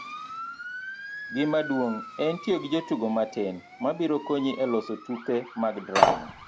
gimaduong' en tiyo gi jotugo matin mabiro konyi e loso tuke mag drama